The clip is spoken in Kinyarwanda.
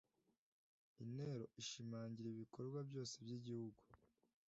intero ishimangira ibikorwa byose by' igihugu